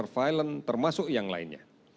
memiliki keinginan kalianaurais